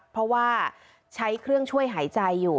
เพราะว่าใช้เครื่องช่วยหายใจอยู่